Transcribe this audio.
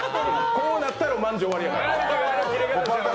こうなったらまんじゅう、終わりやから。